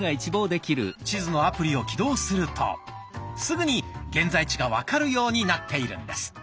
地図のアプリを起動するとすぐに現在地が分かるようになっているんです。